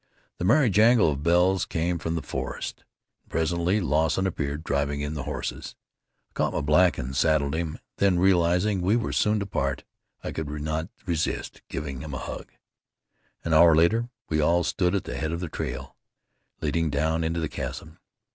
The merry jangle of bells came from the forest, and presently Lawson appeared driving in the horses. I caught my black and saddled him, then realizing we were soon to part I could not resist giving him a hug. An hour later we all stood at the head of the trail leading down into the chasm.